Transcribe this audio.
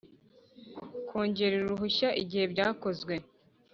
Kongerera uruhushya igihe byakozwe